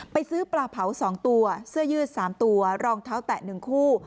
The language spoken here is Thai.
ซื้อปลาเผา๒ตัวเสื้อยืด๓ตัวรองเท้าแตะ๑คู่